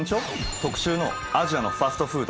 特集の「アジアのファストフード！